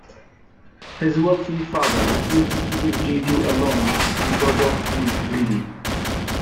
His wealthy father refuses to give Jeetu a loan because of he is greedy.